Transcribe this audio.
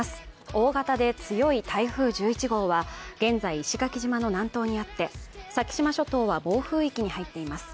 大型で強い台風１１号は現在、石垣島の南東にあって先島諸島は暴風域に入っています。